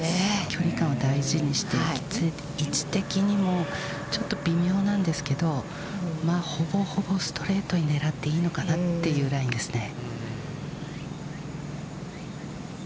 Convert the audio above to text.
距離感を大事にして、位置的にもちょっと微妙なんですけど、ほぼほぼストレートに狙っていいのかなというラインですね。